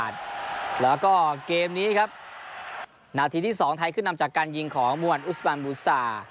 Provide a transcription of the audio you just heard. ๒ไทยขึ้นนำจากการยิงของมวลอุศบันบุษา